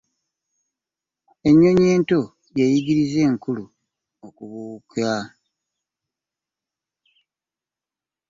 Ennyonyi ento yeyiginza enkulu okubwuke.